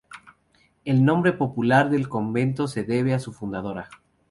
El nombre popular del convento se debe a su fundadora.